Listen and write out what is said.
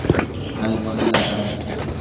এই মহিলা আর আমি।